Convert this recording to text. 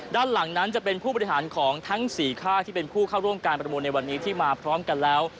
ด้านหลังนั้นจะเป็นผู้บริหารของทั้ง๔ค่ายที่เป็นผู้เข้าร่วมการประมูลในวันนี้ที่มาพร้อมกันแล้ว